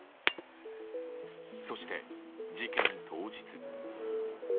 そして、事件当日。